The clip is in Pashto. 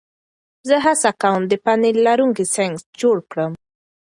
زه هڅه کوم د پنیر لرونکي سنکس جوړ کړم.